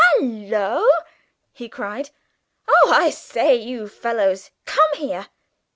"Hallo!" he cried: "oh, I say, you fellows, come here!